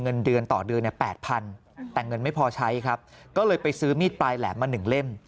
เงินไม่พอใช้ครับก็เลยไปซื้อมีดปลายแหลมมา๑เล่ม